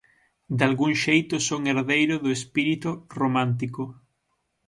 Dalgún xeito son herdeiro do espírito romántico.